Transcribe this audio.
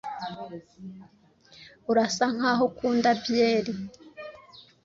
Urasa nkaho ukunda byeri.